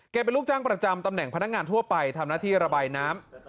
เป็นลูกจ้างประจำตำแหน่งพนักงานทั่วไปทำหน้าที่ระบายน้ำ